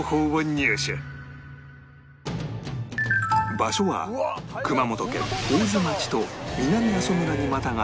場所は熊本県大津町と南阿蘇村にまたがる山間部